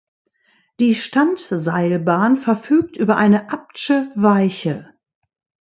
Die Standseilbahn verfügt über eine Abtsche Weiche.